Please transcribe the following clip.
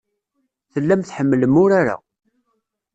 Tellam tḥemmlem urar-a.